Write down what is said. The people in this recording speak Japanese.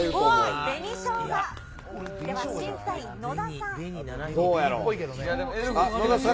では審査員、野田さん。